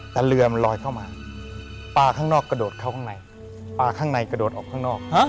แต่เรือมันลอยเข้ามาปลาข้างนอกกระโดดเข้าข้างในปลาข้างในกระโดดออกข้างนอก